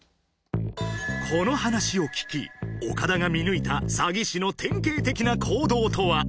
この話を聞き岡田が見抜いたサギ師の典型的な行動とは？